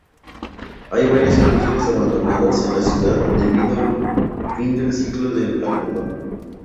Hay varias industrias abandonadas en la ciudad debido al fin del ciclo del algodón.